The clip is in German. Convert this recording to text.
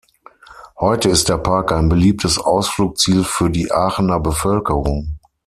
Heute ist der Park ein beliebtes Ausflugsziel für die Aachener Bevölkerung.